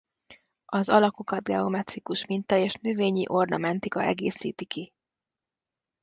Az alakokat geometrikus minta és növényi ornamentika egészíti ki.